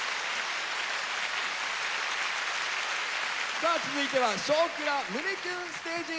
さあ続いては「少クラ胸キュンステージ」！